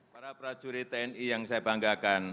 para prajurit tni yang saya banggakan